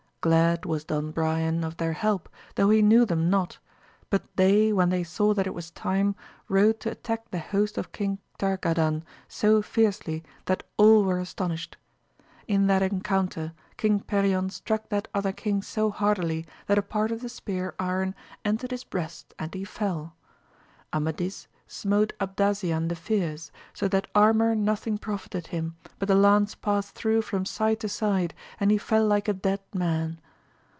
Glad was Don Brian of their help though he knew them not : but they, when they saw that it was time, rode to attack the host of King Targadan so fiercely that all were astonished. In that encounter Eang Perion VOL. n. 14 210 AMADIS Sf GAUL. struck that other king so hardily that a part of the spear iron entered his breast and he felL Amadis smote Abdasian the fierce, so that armour nothing profited him, but the lance passed thro' from side to side, and he fell like a dead man.